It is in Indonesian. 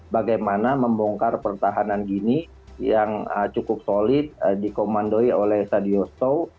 bagaimana membongkar pertahanan gini yang cukup solid dikomandoi oleh sadiostow